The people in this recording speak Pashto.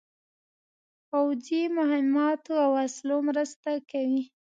پوځي مهماتو او وسلو مرسته کوي.